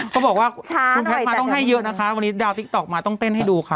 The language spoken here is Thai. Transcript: เขาบอกว่าคุณแพทย์มาต้องให้เยอะนะคะวันนี้ดาวติ๊กต๊อกมาต้องเต้นให้ดูค่ะ